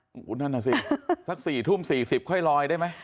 โอ้โหนั่นน่ะสิสัก๔ทุ่ม๔๐ค่อยลอยได้ไหม